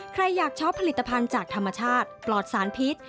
ใครอยากชอบผลิตภัณฑ์จากธรรมชาติปลอดสารพิษ